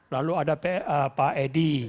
lalu ada pak edi